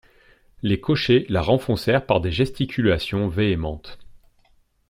Les cochers la renfoncèrent par des gesticulations véhémentes.